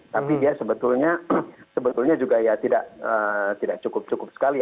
tapi dia sebetulnya juga ya tidak cukup cukup sekali